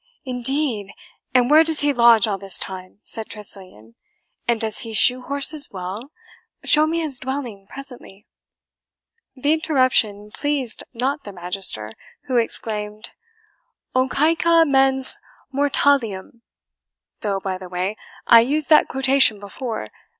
"Indeed! and where does he lodge all this time?" said Tressilian. "And does he shoe horses well? Show me his dwelling presently." The interruption pleased not the Magister, who exclaimed, "O CAECA MENS MORTALIUM! though, by the way, I used that quotation before.